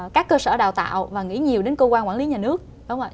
các cơ sở đào tạo và nghĩ nhiều đến cơ quan quản lý nhà nước đúng không ạ